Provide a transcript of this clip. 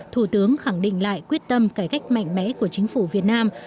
thủ tướng khẳng định lại quyết tâm cải cách mạnh mẽ của chính phủ việt nam